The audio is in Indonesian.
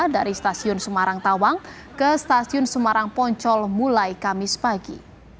dari stasiun semarang tawang ke stasiun semarang poncol mulai kamis pagi